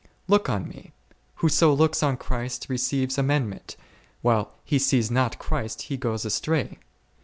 Look on Me ; whoso looks on Christ receives amendment, while he sees not Christ he goes astray.